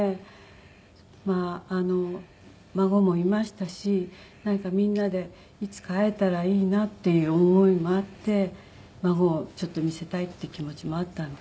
まあ孫もいましたしなんかみんなでいつか会えたらいいなっていう思いもあって孫をちょっと見せたいっていう気持ちもあったんですけど。